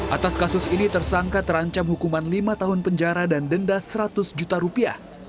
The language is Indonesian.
atas kasus ini tersangka terancam hukuman lima tahun penjara dan denda seratus juta rupiah